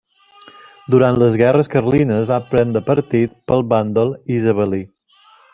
Durant les guerres carlines va prendre partit pel bàndol isabelí.